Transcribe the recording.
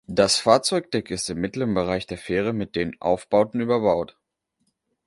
Das Fahrzeugdeck ist im mittleren Bereich der Fähre mit den Aufbauten überbaut.